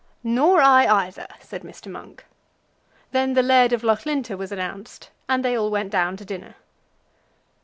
"Nor I either," said Mr. Monk. Then the laird of Loughlinter was announced, and they all went down to dinner.